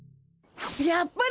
やっぱり！